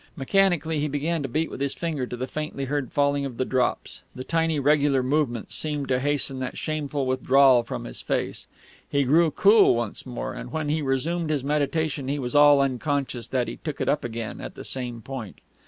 Mechanically he began to beat with his finger to the faintly heard falling of the drops; the tiny regular movement seemed to hasten that shameful withdrawal from his face. He grew cool once more; and when he resumed his meditation he was all unconscious that he took it up again at the same point....